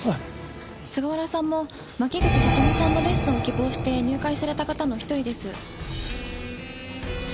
菅原さんも牧口里美さんのレッスンを希望して入会された方の一人です。